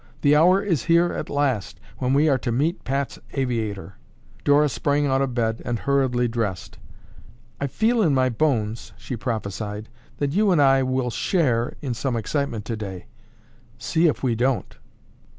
The hour is here at last when we are to meet Pat's aviator." Dora sprang out of bed and hurriedly dressed. "I feel in my bones," she prophesied, "that you and I will share in some excitement today. See if we don't!"